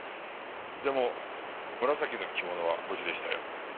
でも紫の着物は無事でしたよ。